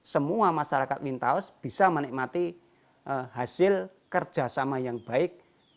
semua masyarakat wintaus bisa menikmati hasil kerjasama yang baik